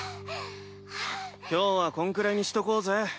今日はこんくらいにしとこうぜ。